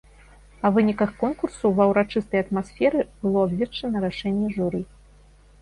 Па выніках конкурсу ва ўрачыстай атмасферы было абвешчана рашэнне журы.